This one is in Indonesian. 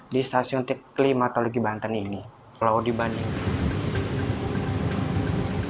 di stasiun klimatologi banten ini kalau dibanding